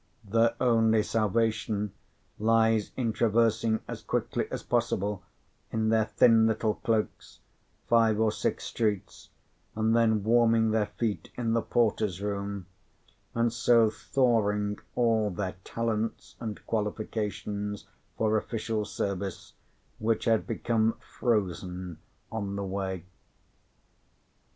Their only salvation lies in traversing as quickly as possible, in their thin little cloaks, five or six streets, and then warming their feet in the porter's room, and so thawing all their talents and qualifications for official service, which had become frozen on the way.